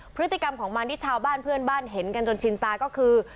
พฤติกรรมของมันที่ชาวบ้านเพื่อนบ้านเห็นกันจนชินตาก็คือ